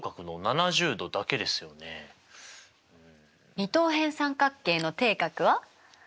二等辺三角形の底角は？